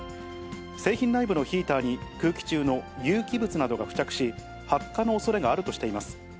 製品内部のヒーターに空気中の有機物などが付着し、発火の恐れがあるとしています。